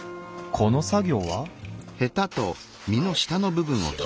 この作業は？